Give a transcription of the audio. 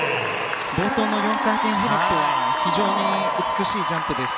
冒頭の４回転フリップは非常に美しいジャンプでした。